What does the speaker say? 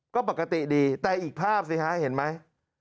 ก็ปกติดีแต่อีกภาพสิฮะเห็นไหม